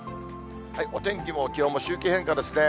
お天気も気温も周期変化ですね。